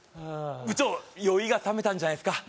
部長酔いがさめたんじゃないですか？